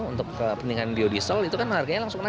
untuk kepentingan biodiesel itu kan harganya langsung naik